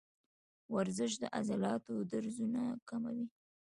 ورزش د عضلاتو درزونه کموي.